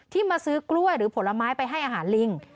มาซื้อกล้วยหรือผลไม้ไปให้อาหารลิง